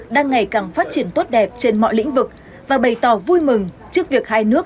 đang ngày càng phát triển tốt đẹp trên mọi lĩnh vực và bày tỏ vui mừng trước việc hai nước